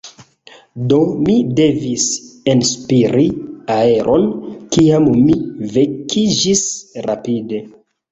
Do mi devis enspiri aeron, kiam mi vekiĝis rapide.